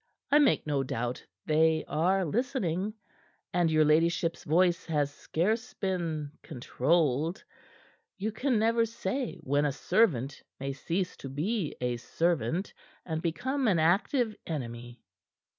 I make no doubt they are listening, and your ladyship's voice has scarce been controlled. You can never say when a servant may cease to be a servant, and become an active enemy."